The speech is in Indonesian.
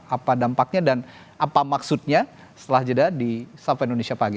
apa dampaknya dan apa maksudnya setelah jeda di sapa indonesia pagi